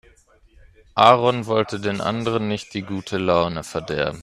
Aaron wollte den anderen nicht die gute Laune verderben.